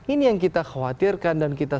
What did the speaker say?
ini yang kita khawatirkan dan kita